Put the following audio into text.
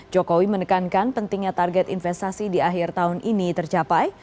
jokowi menekankan pentingnya target investasi di akhir tahun ini tercapai